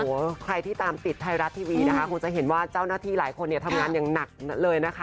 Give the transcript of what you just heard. โอ้โหใครที่ตามติดไทยรัฐทีวีนะคะคงจะเห็นว่าเจ้าหน้าที่หลายคนเนี่ยทำงานอย่างหนักเลยนะคะ